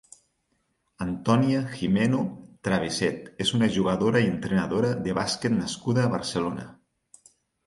Antònia Gimeno Travesset és una jugadora i entrenadora de bàsquet nascuda a Barcelona.